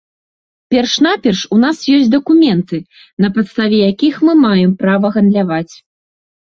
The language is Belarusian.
Перш-наперш у нас ёсць дакументы, на падставе якіх мы маем права гандляваць!